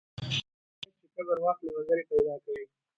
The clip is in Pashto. ـ ميږى چې کبر واخلي وزرې پېدا کوي.